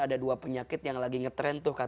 ada dua penyakit yang lagi ngetrend tuh